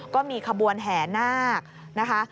ก็มีขบวนแห่นาคนะคะ